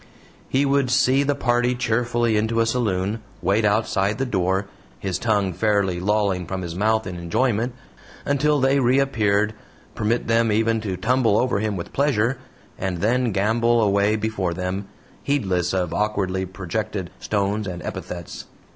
He would "see" the party cheerfully into a saloon, wait outside the door his tongue fairly lolling from his mouth in enjoyment until they reappeared, permit them even to tumble over him with pleasure, and then gambol away before them, heedless of awkwardly projected stones and epithets.